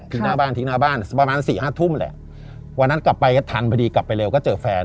หน้าบ้านทิ้งหน้าบ้านประมาณสี่ห้าทุ่มแหละวันนั้นกลับไปก็ทันพอดีกลับไปเร็วก็เจอแฟน